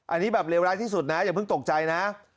อันนี้แบบเลวร้ายที่สุดนะอย่าเพิ่งตกใจนะ